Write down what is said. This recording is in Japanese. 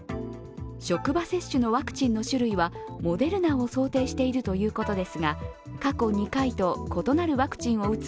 職場接種のワクチンの種類はモデルナを想定しているということですが、過去２回と異なるワクチンを打つ